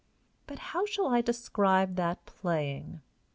But how shall I describe that playing?